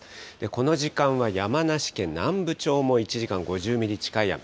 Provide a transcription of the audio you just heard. この時間は山梨県南部町も１時間に５０ミリ近い雨。